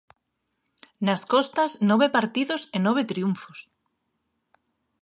Nas costas nove partidos e nove triunfos.